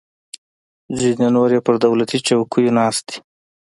ځینې نور یې پر دولتي چوکیو ناست دي.